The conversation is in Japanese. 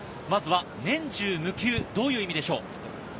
まずは、「年中夢求」、どういう意味でしょう？